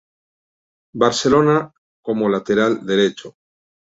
Barcelona como lateral derecho.